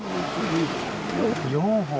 ４本。